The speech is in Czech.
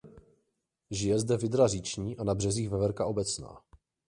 Žije zde vydra říční a na březích veverka obecná.